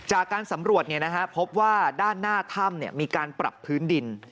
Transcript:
จากการสำรวจพบว่าด้านหน้าถ้ำมีการปรับพื้นดิน